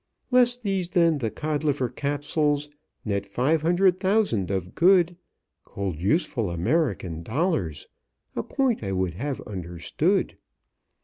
"Less these, then, the Codliver Capsules Net five hundred thousand of good, Cold, useful American dollars A point I would have understood.